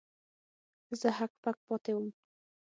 زه هک پک پاتې وم.